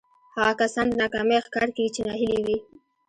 هغه کسان د ناکامۍ ښکار کېږي چې ناهيلي وي.